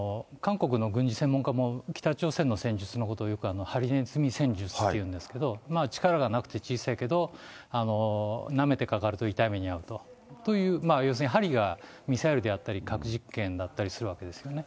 韓国の軍事専門家も、北朝鮮の戦術のことを、よくハリネズミ戦術っていうんですけれども、力がなくて小さいけど、なめてかかると痛い目に遭うという要するに、針がミサイルであったり、核実験だったりするわけですよね。